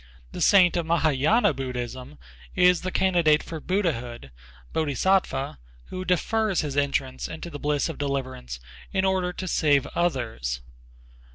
The saint of Mahâyâna Buddhism is the candidate for Buddhahood (Bodhisattva) who defers his entrance into the bliss of deliverance in order to save others.